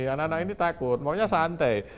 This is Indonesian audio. anak anak ini takut maunya santai